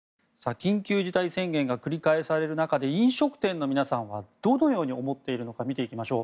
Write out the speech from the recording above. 緊急事態宣言が繰り返される中で飲食店の皆さんはどのように思っているのか見ていきましょう。